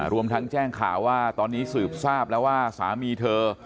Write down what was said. รวมทั้งแจ้งข่าวว่าตอนนี้สืบทราบแล้วว่าสามีเธอ